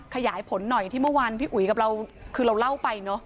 ขยายผลหน่อยที่เมื่อพี่อุ๋าย่มันตรงเล่าไว้